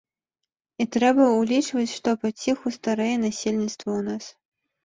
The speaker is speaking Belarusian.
І трэба ўлічваць, што паціху старэе насельніцтва ў нас.